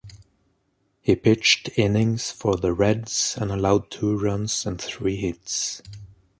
He pitched innings for the Reds and allowed two runs and three hits.